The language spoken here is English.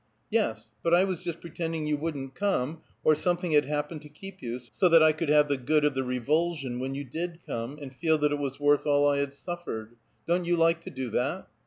"Yes, but I was just pretending you wouldn't come, or something had happened to keep you, so that I could have the good of the revulsion when you did come, and feel that it was worth all I had suffered. Don't you like to do that?"